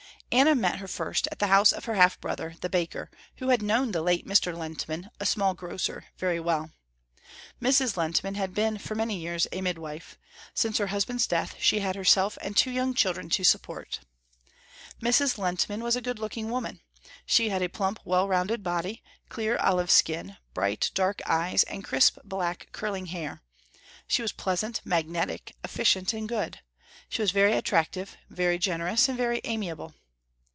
Anna met her first at the house of her half brother, the baker, who had known the late Mr. Lehntman, a small grocer, very well. Mrs. Lehntman had been for many years a midwife. Since her husband's death she had herself and two young children to support. Mrs. Lehntman was a good looking woman. She had a plump well rounded body, clear olive skin, bright dark eyes and crisp black curling hair. She was pleasant, magnetic, efficient and good. She was very attractive, very generous and very amiable.